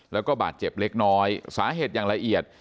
แล้วก็บาดเจ็บเล็กน้อยสาเหตุอย่างละเอียด